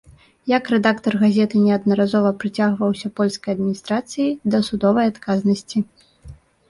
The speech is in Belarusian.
Як рэдактар газеты неаднаразова прыцягваўся польскай адміністрацыяй да судовай адказнасці.